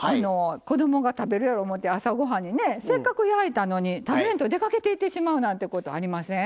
子どもが食べるやろ思ってせっかく焼いたのに食べんと出かけていってしまったことありません？